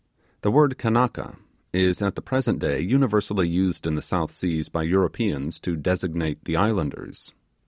* The word 'Kanaka' is at the present day universally used in the South Seas by Europeans to designate the Islanders.